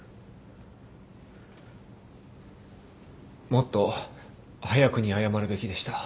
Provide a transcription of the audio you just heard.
もっと早くに謝るべきでした。